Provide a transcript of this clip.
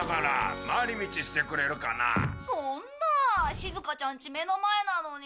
しずかちゃんち目の前なのに。